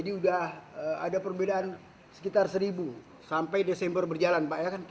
dan kalau akhir tahun perjalanan luar negeri banyak sekali yang disajikan oleh pemerintah negara yang akan kita kunjungi